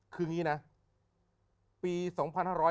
คืออย่างนี้นะ